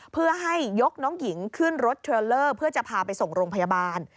เพื่อให้ยกน้องหญิงขึ้นรถเทรลเลอร์เพื่อจะพาไปส่งโรงพยาบาล